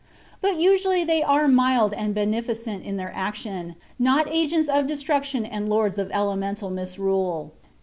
But usually they are mild and beneficent in their action, not agents of destruction and lords of elemental misrule.